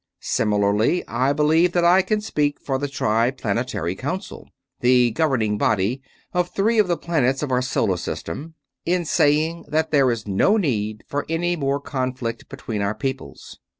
Similarly, I believe that I can speak for the Triplanetary Council the governing body of three of the planets of our solar system in saying that there is no need for any more conflict between our peoples.